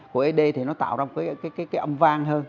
của ấy đế thì nó tạo ra một cái âm vang hơn